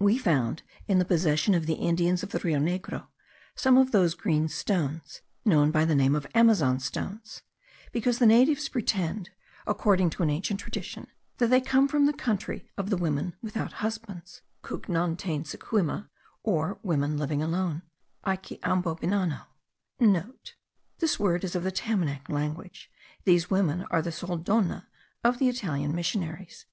We found in the possession of the Indians of the Rio Negro some of those green stones, known by the name of Amazon stones, because the natives pretend, according to an ancient tradition, that they come from the country of the women without husbands (Cougnantainsecouima), or women living alone (Aikeambenano*). (* This word is of the Tamanac language; these women are the sole Donne of the Italian missionaries.)